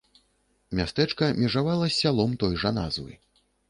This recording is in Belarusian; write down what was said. Мястэчка межавала з сялом той жа назвы.